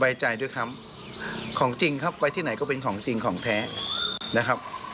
ไว้ใจด้วยครับของจริงครับไว้ที่ไหนก็เป็นของจริงของแท้นะครับ